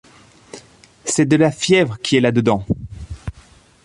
C’est de la fièvre qui est là-dedans.